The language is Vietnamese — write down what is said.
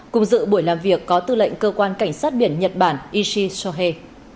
cùng dự buổi làm việc có tư lệnh cơ quan cảnh sát biển nhật bản ishi sohe